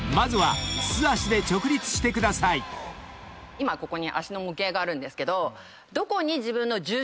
今ここに足の模型があるんですけど。